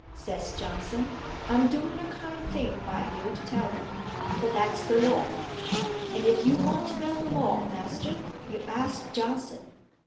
Says Johnson, 'I'm doing a kind thing by you to tell you. For that's the law.' And if you want to know the law, master, you ask Johnson.